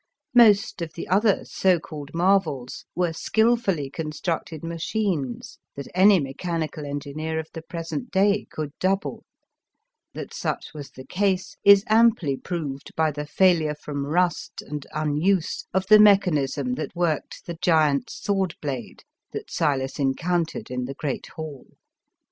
Most of the other so called marvels were skil fully constructed machines that any mechanical engineer of the present day could double ; that such was the case is amply proved by the failure from rust and unuse of the mechanism that 142 Appendix worked the giant sword blade that Silas encountered in the great hall.